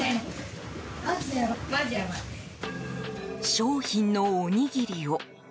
商品のおにぎりを。